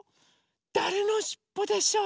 だれのしっぽでしょう？